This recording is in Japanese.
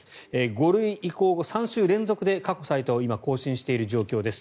５類移行後３週連続で過去最多を今、更新している状況です。